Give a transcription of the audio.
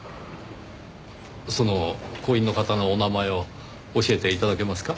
その工員の方のお名前を教えて頂けますか？